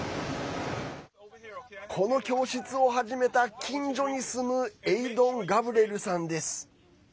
この教室を始めた、近所に住むエイドン・ガブレルさんです。